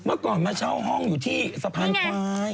เมื่อก่อนมาเช่าห้องอยู่ที่สะพานควาย